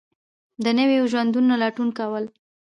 د نویو ژوندونو لټون کول